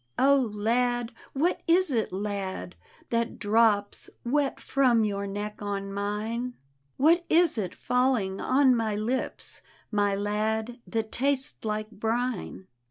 " Oh, lad, what is it, lad, that drops Wet from your neck on mine? What is it falling on my lips. My lad, that tastes like brine?"